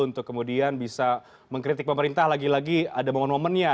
untuk kemudian bisa mengkritik pemerintah lagi lagi ada momen momennya